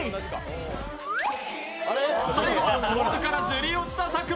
最後はボールからずり落ちた佐久間。